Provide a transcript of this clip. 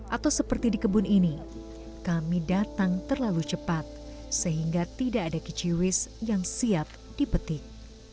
atau seperti di kebun ini kami datang terlalu cepat sehingga tidak ada kiciwis yang siap dipetik